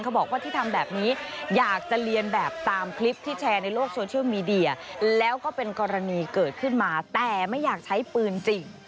บอกว่าที่ทำแบบนี้อยากจะเรียนแบบตามคลิปที่แชร์ในโลกโซเชียลมีเดียแล้วก็เป็นกรณีเกิดขึ้นมาแต่ไม่อยากใช้ปืนจริง